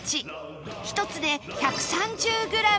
１つで１３０グラム